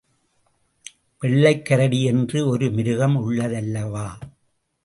வெள்ளைக் கரடி என்று ஒரு மிருகம் உள்ளதல்லவா?